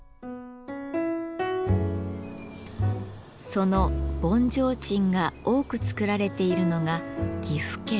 その盆提灯が多く作られているのが岐阜県。